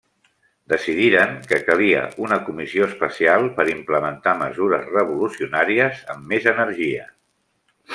Decidiren que calia una comissió especial per implementar mesures revolucionàries amb més energia.